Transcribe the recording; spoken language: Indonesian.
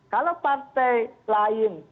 kalau partai lain